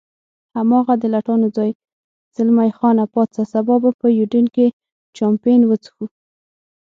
هماغه د لټانو ځای، زلمی خان پاڅه، سبا به په یوډین کې چامپېن وڅښو.